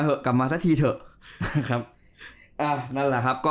เออกลับมาสักทีเถอะ